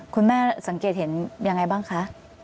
คุณแม่สังเกตเห็นยังไงบ้างคะ